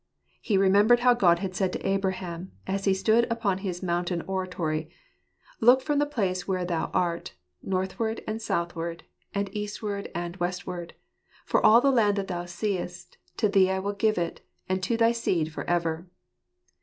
He remembered how God had said to Abraham, as he stood upon his mountain oratory, "Look from the place where thou art, northward, and southward, and eastward, and westward; for all the land that thou seest, to thee will I give it, and to thy seed for ever."